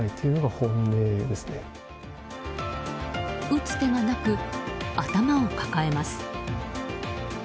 打つ手がなく、頭を抱えます。